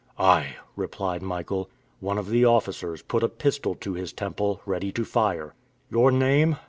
"I," replied Michael. One of the officers put a pistol to his temple, ready to fire. "Your name?"